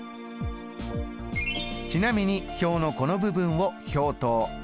ちなみに表のこの部分を表頭。